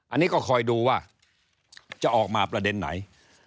อันนี้ก็คอยดูว่าจะออกมาประเด็นไหน